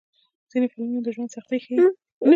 ځینې فلمونه د ژوند سختۍ ښيي.